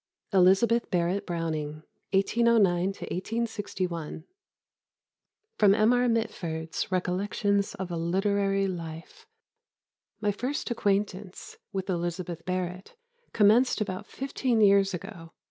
ELIZABETH BARRETT BROWNING 1809 1861 [Sidenote: M. R. Mitford's Recollections of a Literary Life.] "My first acquaintance with Elizabeth Barrett commenced about fifteen years ago.